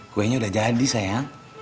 kuenya udah jadi sayang